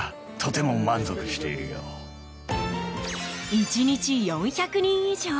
１日４００人以上。